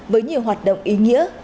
với nhiều hoạt động ý nghĩa